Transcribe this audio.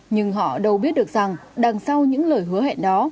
nhưng họ đâu biết được rằng đằng sau những lời hứa hẹn đó